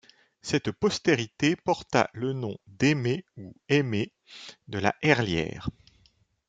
Cette postérité porta le nom d'Aymé ou Aymé de la Herlière.